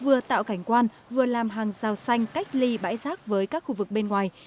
vừa tạo cảnh quan vừa làm hàng rào xanh cách ly bãi giác với các khu vực bên ngoài